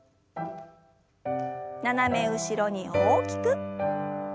斜め後ろに大きく。